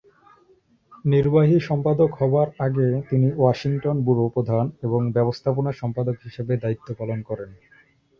নির্বাহী সম্পাদক হবার আগে তিনি ওয়াশিংটন ব্যুরো প্রধান এবং ব্যবস্থাপনা সম্পাদক হিসেবেও দায়িত্ব পালন করেন।